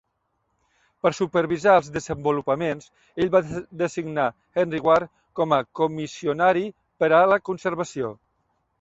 Per supervisar els desenvolupaments, ell va designar Henry Ward com a comissionari per a la conservació.